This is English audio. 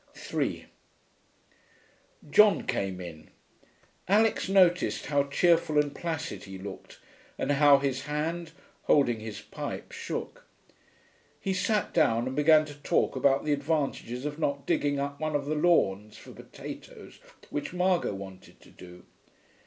3 John came in. Alix noticed how cheerful and placid he looked, and how his hand, holding his pipe, shook. He sat down and began to talk about the advantages of not digging up one of the lawns for potatoes, which Margot wanted to do.